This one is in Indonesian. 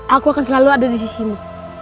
aku akan selalu ada di sisimu